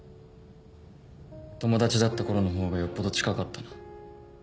友達だったころの方がよっぽど近かったな。